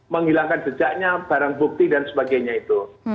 menghilangkan jejaknya barang bukti dan sebagainya itu